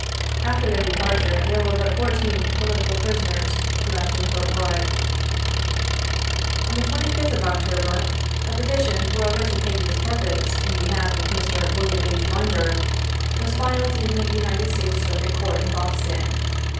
After their departure there were but fourteen " political prison ers " left in Fort Warren. On the 25th of October, a petition for a writ of Habeas Corpus in behalf of Mr. Wm. H. Winder was filed in the United States Circuit Court in Boston.